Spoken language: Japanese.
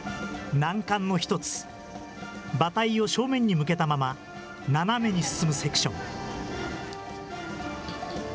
難関の一つ、馬体を正面に向けたまま、斜めに進むセクション。